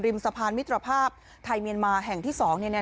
สะพานมิตรภาพไทยเมียนมาแห่งที่๒